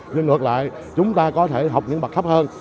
nhưng ngược lại chúng ta có thể học những bậc thấp hơn